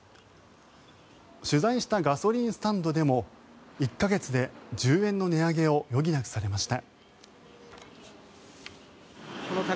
取材したガソリンスタンドでも１か月で１０円の値上げを余儀なくされました。